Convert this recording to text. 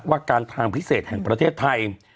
ว่าการทางพิเศษแห่งประเทศไทย